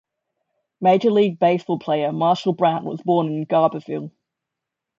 Major League Baseball player Marshall Brant was born in Garberville.